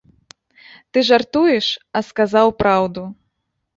Ты жартуеш, а сказаў праўду.